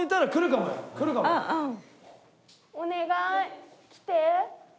お願い来て。